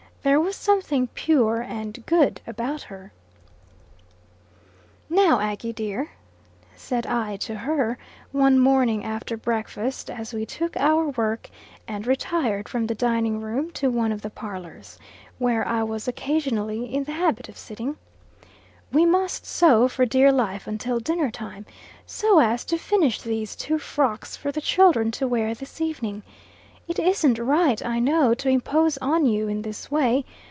There was something pure and good about her. "Now, Aggy, dear," said I to her, one morning after breakfast, as we took our work and retired from the dining room to one of the parlors, where I was occasionally in the habit of sitting, "we must sew for dear life until dinner time, so as to finish these two frocks for the children to wear this evening. It isn't right, I know, to impose on you in this way.